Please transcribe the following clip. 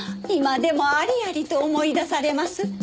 今でもありありと思い出されます。